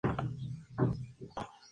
La sede del condado es Chappell.